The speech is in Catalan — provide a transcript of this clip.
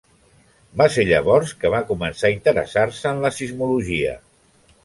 Va ser llavors que va començar a interessar-se en la sismologia.